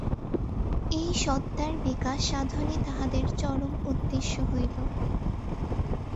এই সত্তার বিকাশ-সাধনই তাহাদের চরম উদ্দেশ্য হইল।